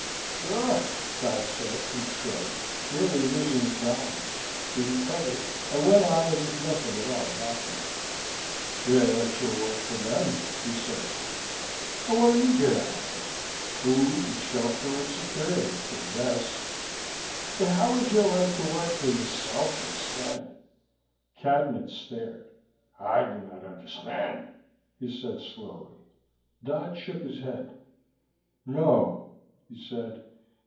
"Sure," Dodd said, and shrugged, nearly losing his balance. He recovered, and went on as if nothing at all had happened. "They let you work for them," he said. "And what do you get out of it? Food and shelter and security, I guess. But how would you like to work for yourself instead?" Cadnan stared. "I do not understand," he said slowly. Dodd shook his head. "No," he said.